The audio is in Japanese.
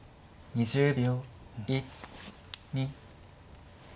２０秒。